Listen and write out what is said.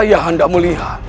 ayah anda melihat